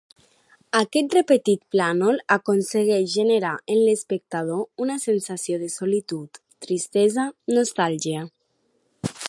Aquest repetit plànol aconsegueix generar en l'espectador una sensació de solitud, tristesa, nostàlgia.